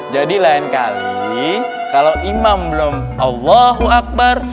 jadi lain kali kalau imam belum allahu akbar